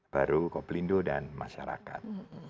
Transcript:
baru korporindo dan masyarakat